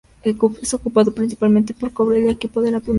Es ocupado principalmente por Cobreloa, equipo de la Primera B de Chile.